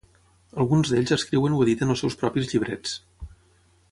Alguns d'ells escriuen o editen els seus propis llibrets.